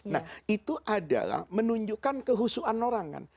nah itu adalah menunjukkan kehusuan orang kan